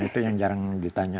itu yang jarang ditanya